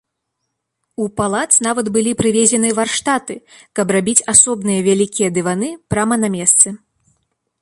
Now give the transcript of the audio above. У палац нават былі прывезены варштаты, каб рабіць асобныя вялікія дываны прама на месцы.